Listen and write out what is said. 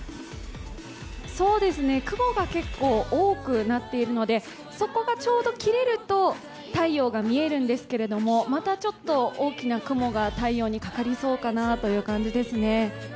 雲が結構多くなっているので、そこがちょうど切れると太陽が見えるんですけれどもまたちょっと大きな雲が太陽にかかりそうかなという感じです。